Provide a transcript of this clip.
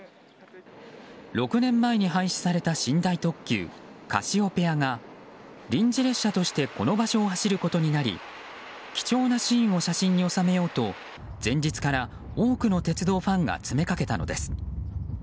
６年前に廃止された寝台特急「カシオペア」が臨時列車としてこの場所を走ることになり貴重なシーンを写真に収めようと前日から多くの鉄道ファンが詰めかけたのです。